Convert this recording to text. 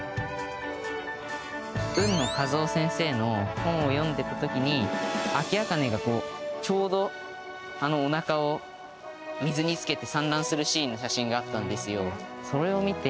海野和男先生の本を読んでた時にアキアカネがこうちょうどおなかを水につけて産卵するシーンの写真があったんですよ。